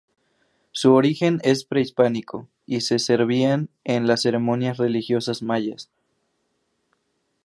Su origen es prehispánico y se servían en las ceremonias religiosas mayas.